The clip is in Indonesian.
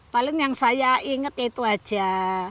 paling yang saya inget itu aja